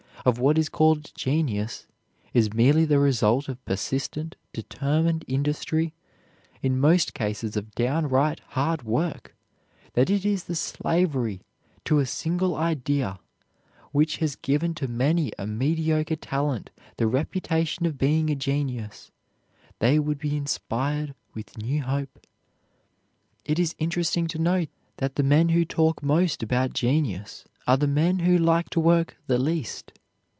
of what is called genius is merely the result of persistent, determined industry, in most cases of down right hard work, that it is the slavery to a single idea which has given to many a mediocre talent the reputation of being a genius, they would be inspired with new hope. It is interesting to note that the men who talk most about genius are the men who like to work the least.